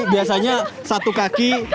biasanya satu kaki